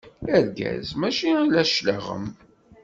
Argaz mačči ala cclaɣem.